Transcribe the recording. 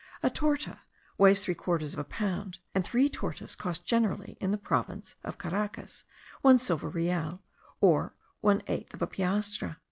A torta weighs three quarters of a pound, and three tortas cost generally in the province of Caracas one silver rial, or one eighth of a piastre.